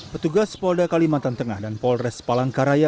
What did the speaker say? petugas polda kalimantan tengah dan polres palangkaraya